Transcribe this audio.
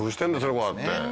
こうやって。